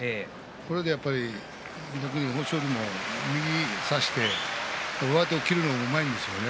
これで逆に豊昇龍も右を差して上手を切るのもうまいんですよね。